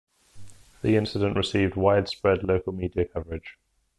The incident received widespread local media coverage.